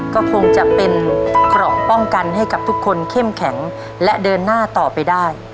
ก็คงจะเป็นเกราะป้องกันให้กับทุกคนเข้มแข็งและเดินหน้าต่อไปได้